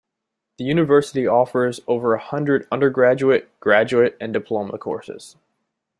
The university offers over a hundred undergraduate, graduate and diploma courses.